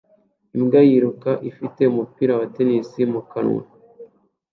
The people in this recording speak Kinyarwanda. Imbwa yiruka ifite umupira wa tennis mu kanwa